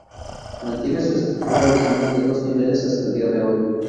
Mantiene su estructura original de dos niveles hasta el día de hoy.